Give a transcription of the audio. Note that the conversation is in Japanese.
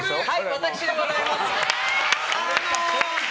私でございます！